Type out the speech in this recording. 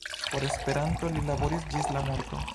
Por Esperanto li laboris ĝis la morto.